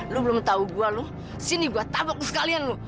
lu belum tau gua lu sini gua tabak lu sekalian lu